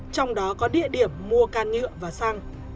trong đó có địa điểm mua can nhựa và xăng